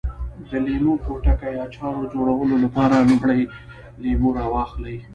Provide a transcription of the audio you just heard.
د لیمو پوټکي اچار جوړولو لپاره لومړی لیمو راواخلئ.